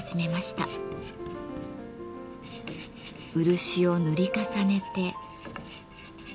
漆を塗り重ねて。